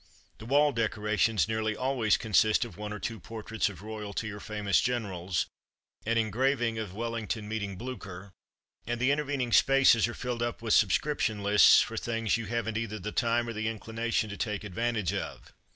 The wall decorations nearly always consist of one or two portraits of Royalty or famous generals, an engraving of Wellington meet ing Bliicher, and the intervening spaces are filled up with subscription lists for things you haven't either the time or the inclina tion to take advantage of.